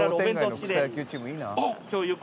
商店街の草野球チームいいな」